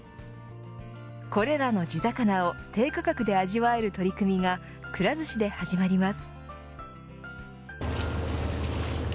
これらの地魚を低価格で味わえる取り組みがくら寿司で始まります。